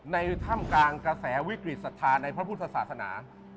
ถ้ำกลางกระแสวิกฤตศรัทธาในพระพุทธศาสนา